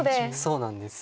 そうなんです。